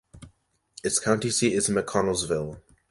Its county seat is McConnelsville.